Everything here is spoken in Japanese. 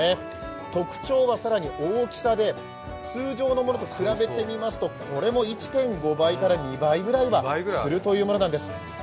特徴は更に大きさで、通常のものと比べてみますと、これも１．５倍から２倍ぐらいはするということなんです。